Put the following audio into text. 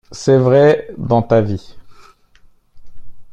c'est vrai dans ta vie.